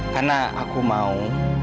karena aku mau